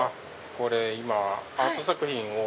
これ今アート作品を。